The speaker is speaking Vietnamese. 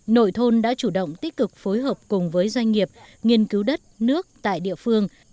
nội thôn đã chủ động tích cực phối hợp cùng với doanh nghiệp nghiên cứu đất nước tại địa phương